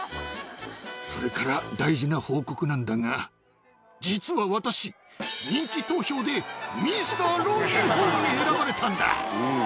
それから大事な報告なんだが、実は私、人気投票でミスター老人ホームに選ばれたんだ。